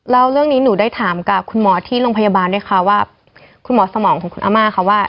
แล้วเรื่องนี้หนูได้ถามกับคุณหมอที่โรงพยาบาลด้วยค่ะว่าคุณหมอสมองของคุณอาม่าค่ะว่า